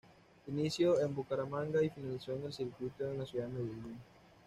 Inició en Bucaramanga y finalizó en un circuito en la ciudad de Medellín.